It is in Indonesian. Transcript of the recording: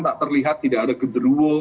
tak terlihat tidak ada gederuwo